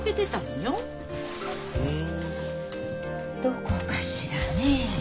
どこかしらねえ？